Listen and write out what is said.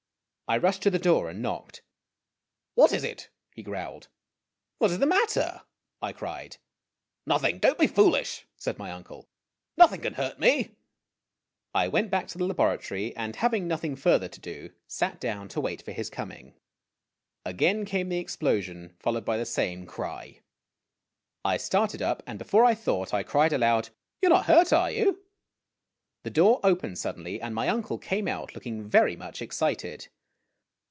I rushed to the door and knocked. "What is it? "he growled. "What is the matter?" I cried. " Nothing ! Don't be foolish !" said my uncle. " Nothing can hurt me !" I went back to the laboratory, and, having nothing further to do, sat down to wait for his coming. Again came the explosion, followed by the same cry. I started up, and, before I thought, I cried aloud, " You 're not hurt, are you ?" The door opened suddenly, and my uncle came out, looking very much excited.